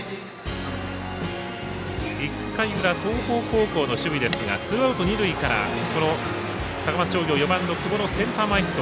１回裏、東邦高校の守備ですがツーアウト、二塁からこの高松商業、４番の久保のセンター前ヒット。